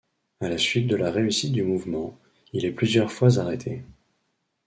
À la suite de la réussite du mouvement, il est plusieurs fois arrêté.